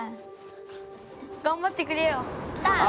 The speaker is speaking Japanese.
頑張ってくれよ。来た！